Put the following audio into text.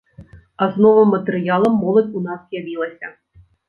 А з новым матэрыялам моладзь у нас з'явілася.